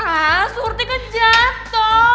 ah surti kejat toh